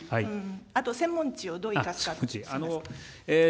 あとは専門をどう生かすかです。